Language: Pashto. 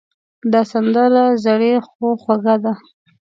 دا سندره زړې خو خوږه ده.